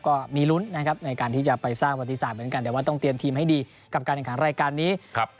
ก็มีลุ้นนะครับในการที่จะไปสร้างวัติศาสตร์เหมือนกันแต่ว่าต้องเตรียมทีมให้ดีกับการแข่งขันรายการนี้ครับ